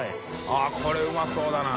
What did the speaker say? あっこれうまそうだな。